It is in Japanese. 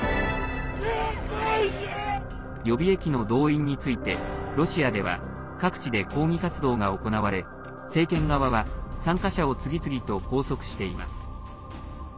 予備役の動員についてロシアでは各地で抗議活動が行われ政権側は、参加者を次々と拘束しています。